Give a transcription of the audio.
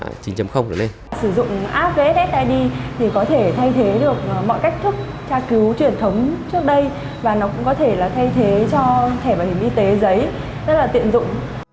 sử dụng app vssid thì có thể thay thế được mọi cách thức tra cứu truyền thống trước đây và nó cũng có thể là thay thế cho thẻ bảo hiểm y tế giấy rất là tiện dụng